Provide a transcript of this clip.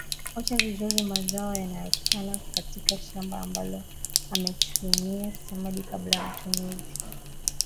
Osha vizuri mazao yanayotoka katika shamba ambalo umetumia samadi kabla ya matumizi